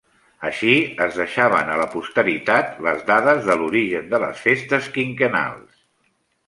Així, es deixaven a la posteritat les dades de l'origen de les Festes Quinquennals.